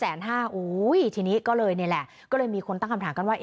ทีนี้ก็เลยนี่แหละก็เลยมีคนตั้งคำถามกันว่า